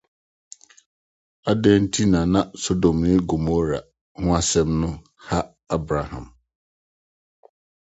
Adɛn nti na na Sodom ne Gomora ho asɛm haw Abraham